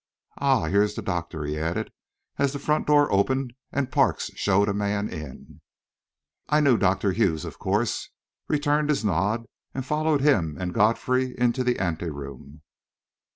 Ah, here's the doctor," he added, as the front door opened and Parks showed a man in. I knew Dr. Hughes, of course, returned his nod, and followed him and Godfrey into the ante room.